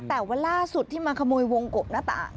แต่วันล่าสุดที่มาขโมยวงกบหน้าต่าง